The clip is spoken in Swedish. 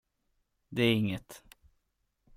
Det är inget.